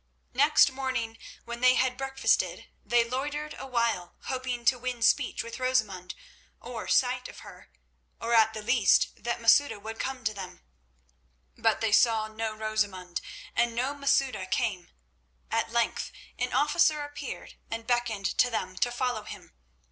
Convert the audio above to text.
Next morning, when they had breakfasted, they loitered awhile, hoping to win speech with Rosamund, or sight of her, or at the least that Masouda would come to them; but they saw no Rosamund, and no Masouda came. At length an officer appeared, and beckoned to them to follow him.